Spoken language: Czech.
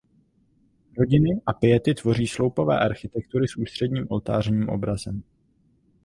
Rodiny a Piety tvoří sloupové architektury s ústředním oltářním obrazem.